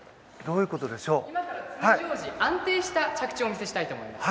今から、安定した着地をお見せしたいと思います。